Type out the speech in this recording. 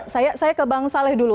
saya ke bang saleh dulu